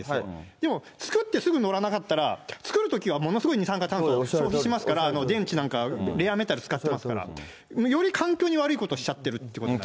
でも、作ってすぐ乗らなかったら、作るときはものすごい二酸化炭素を消費しますから、電池なんか、レアメタル使ってますから。より環境に悪いことしちゃってるということになる。